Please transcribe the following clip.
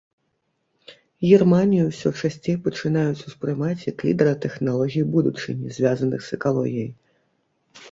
Германію ўсё часцей пачынаюць успрымаць як лідара тэхналогій будучыні, звязаных з экалогіяй.